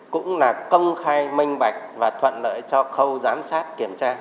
cũng là công khai minh bạch và thuận lợi cho khâu giám sát kiểm tra